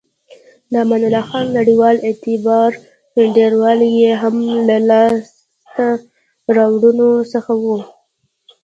د امان الله خان نړیوال اعتبار ډیروالی یې هم له لاسته راوړنو څخه و.